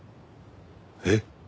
えっ？